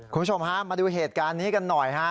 คุณผู้ชมฮะมาดูเหตุการณ์นี้กันหน่อยฮะ